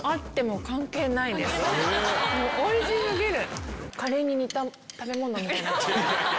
おいし過ぎる。